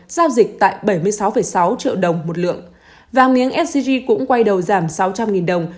giao dịch tại bảy mươi sáu sáu triệu đồng một lượng vàng miếng sgc cũng quay đầu giảm sáu trăm linh đồng